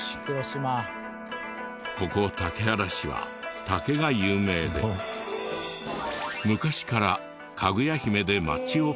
ここ竹原市は竹が有名で昔からかぐや姫で町をＰＲ。